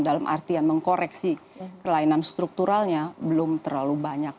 dalam artian mengkoreksi kelainan strukturalnya belum terlalu banyak